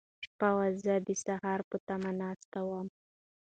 شپه وه، زه د سهار په تمه ناست وم.